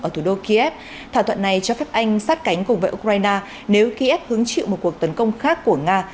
ở thủ đô kiev thỏa thuận này cho phép anh sát cánh cùng với ukraine nếu kiev hứng chịu một cuộc tấn công khác của nga